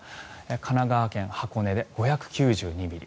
神奈川県箱根で５９２ミリ